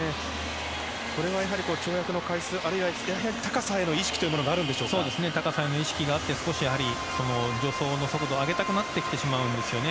これは跳躍の回数やはり高さへの意識が高さへの意識があって助走の速度を上げたくなってきてしまうんですよね。